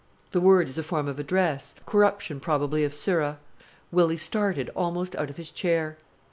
The word is a form of address, corruption probably of "Sirrah". Willy started almost out of his chair.